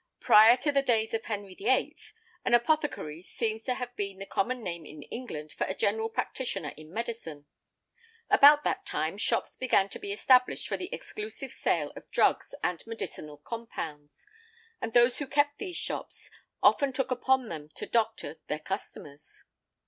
Prior to the days of Henry VIII. an apothecary seems to have been the common name in England for a general practitioner in medicine. About that time shops began to be established for the exclusive sale of drugs and medicinal compounds, and those who kept these shops often took upon them to doctor their customers.